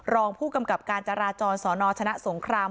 รองผู้กำกับการจราจรสนชนะสงคราม